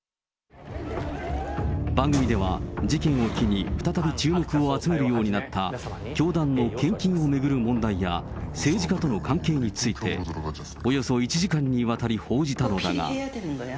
番組では事件を機に再び注目を集めるようになった教団の献金を巡る問題や、政治家との関係について、およそ１時間にわたり報じたのだが。